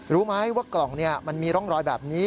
รู้ไหมว่ากล่องมันมีร่องรอยแบบนี้